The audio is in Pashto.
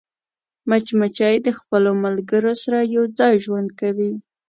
مچمچۍ د خپلو ملګرو سره یوځای ژوند کوي